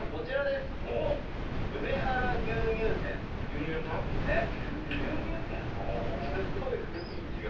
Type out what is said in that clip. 「すごい雰囲気が」